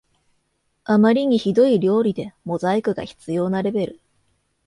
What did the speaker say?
あまりにひどい料理でモザイクが必要なレベル